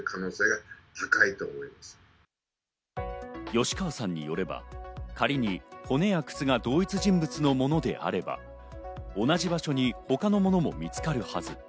吉川さんによれば、仮に骨や靴が同一人物のものであれば同じ場所に他のものも見つかるはず。